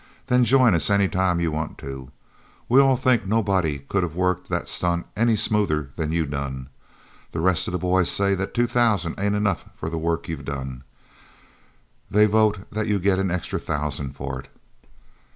Then join us any time you want to. We all think nobody could of worked that stunt any smoother than you done. The rest of the boys say that two thousand ain't enough for the work you've done. They vote that you get an extra thousand for it.